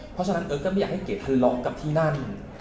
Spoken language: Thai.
เพราะฉะนั้นเออก็ไม่อยากให้เก๋ทะเลาะกับที่นั่น